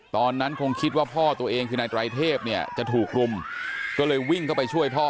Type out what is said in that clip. ตอนนั้นคงคิดว่าพ่อตัวเองคือนายไตรเทพเนี่ยจะถูกรุมก็เลยวิ่งเข้าไปช่วยพ่อ